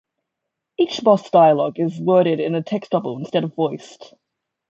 Each boss dialogue is worded in a text bubble instead of voiced.